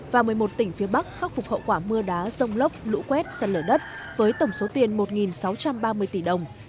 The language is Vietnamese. và một mươi một tỉnh phía bắc khắc phục hậu quả mưa đá rông lốc lũ quét sạt lở đất với tổng số tiền một sáu trăm ba mươi tỷ đồng